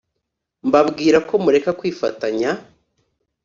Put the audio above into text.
mbabwira ko mureka kwifatanya